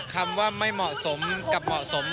คำว่าไม่เหมาะสมกับเหมาะสม